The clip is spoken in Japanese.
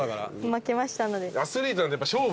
負けましたので。